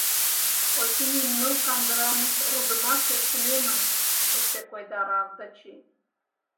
— Очыни, ныл кандырам рудымашеш тунемын, — эше койдара Овдачи.